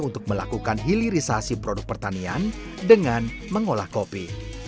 untuk melakukan hilirisasi produk pertanian dengan mengolah kopi